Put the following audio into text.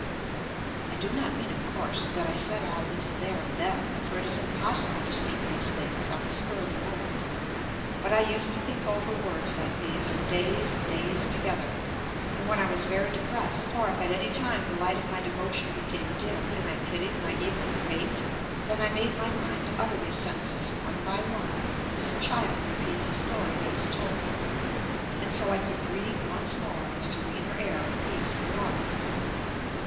I do not mean, of course, that I said all this there and then, for it is impossible to speak these things an the spur of the moment. But I used to think over words like these for days and days together. And when I was very depressed, or if at any time the light of my devotion became dim, and I pitied my evil fate, then I made my mind utter these sentences, one by one, as a child repeats a story that is told. And so I could breathe once more the serener air of peace and love.